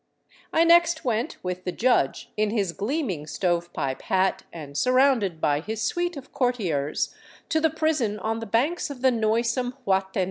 I next went with the judge, in his gleaming stovepipe hat and sur rounded by his suite of courtiers, to the prison on the banks of the noisome Huatenay.